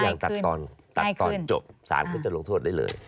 มันจบยังตัดตอนจบศาลก็จะลงโทษได้เลย